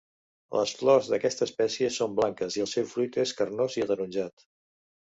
Les flors d'aquesta espècie són blanques i el seu fruit és carnós i ataronjat.